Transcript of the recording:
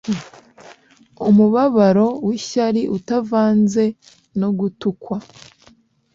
Umubabaro wishyari utavanze no gutukwa